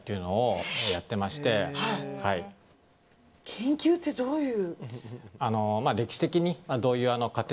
研究ってどういう？